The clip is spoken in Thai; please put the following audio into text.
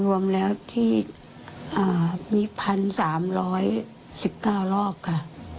รวมแล้วที่มีพันสามร้อยสิบก้าวรอบค่ะ